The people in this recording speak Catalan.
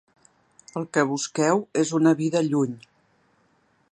El que busqueu és una vida lluny.